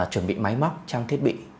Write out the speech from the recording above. chuẩn bị máy móc trang thiết bị